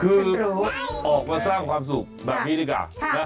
คือออกมาสร้างความสุขแบบนี้ดีกว่า